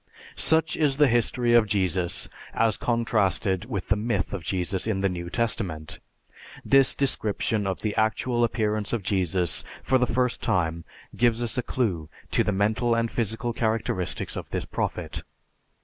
Such is the history of Jesus as contrasted with the myth of Jesus in the New Testament. This description of the actual appearance of Jesus for the first time gives us a clue to the mental and physical characteristics of this Prophet.